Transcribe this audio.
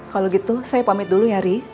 kalau gitu saya pamit dulu ya ri